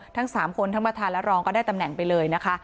ทั้ง๓คนทั้งประธานและรองก็ได้ตำแหน่งไปเลยนะคะ